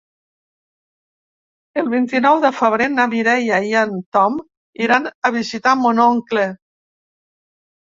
El vint-i-nou de febrer na Mireia i en Tom iran a visitar mon oncle.